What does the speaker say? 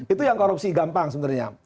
itu yang korupsi gampang sebenarnya